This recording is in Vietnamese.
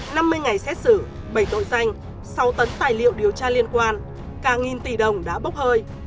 năm mươi ngày xét xử bảy tội danh sáu tấn tài liệu điều tra liên quan cả nghìn tỷ đồng đã bốc hơi